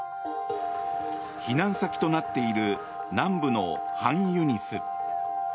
避難先となっている南部のハンユニス。